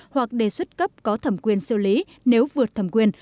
hoặc đề xuất cấp có thẩm quyền xử lý nếu vượt thẩm quyền